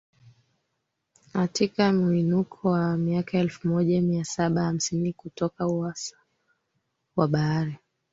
atika muinuko wa mita elfu moja mia saba hamsini kutoka usawa wa bahari